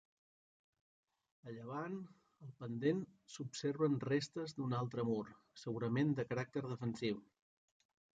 A llevant, al pendent s'observen restes d'un altre mur, segurament de caràcter defensiu.